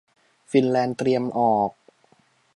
ฟินแลนด์เตรียมออก